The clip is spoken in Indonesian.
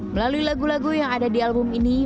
melalui lagu lagu yang ada di album ini